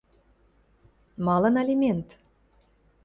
— Малын алимент?